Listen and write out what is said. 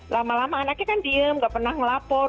lama lama anaknya kan diam tidak pernah melapor